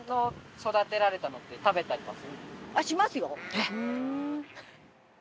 えっ！